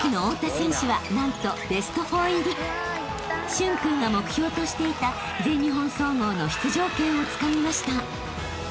［駿君が目標としていた全日本総合の出場権をつかみました］